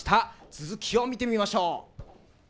続きを見てみましょう。